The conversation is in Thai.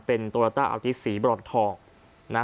เป็นรัตต่าอลทิสีบรดทองนะ